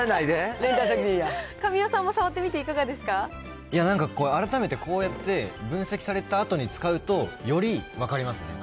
神尾さんも触ってみていかがなんか、改めてこうやって分析されたあとに使うと、より分かりますね。